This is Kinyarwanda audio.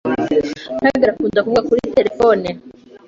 Ntagara akunda kuvugana kuri terefone.